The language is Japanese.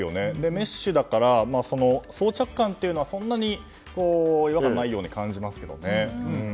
メッシュだから装着感はそんなに違和感がないように感じますけどね。